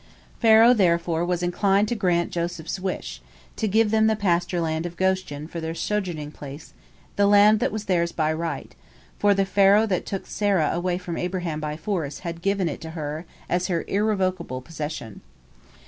Pharaoh therefore was inclined to grant Joseph's wish, to give them the pasture land of Goshen for their sojourning place, the land that was theirs by right, for the Pharaoh that took Sarah away from Abraham by force had given it to her as her irrevocable possession.